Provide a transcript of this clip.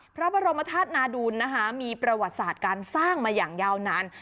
พระบรมธาตุนาดูลมีประวัติศาสตร์การสร้างมาอย่างยาวนาน